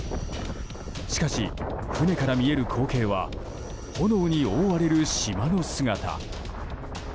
しかし船から見える光景は炎に覆われる島の姿。